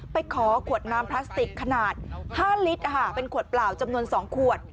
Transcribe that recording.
ไปขอขวดน้ำพลาสติกขนาด๕ลิตรเป็นขวดเปล่าจำนวน๒ขวด